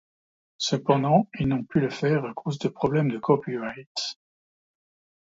Cependant, ils n'ont pu le faire à cause de problèmes de copyright.